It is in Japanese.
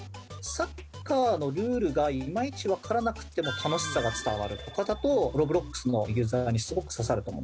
サッカーのルールがいまいちわからなくても楽しさが伝わるとかだとＲｏｂｌｏｘのユーザーにすごく刺さると思うんですよね。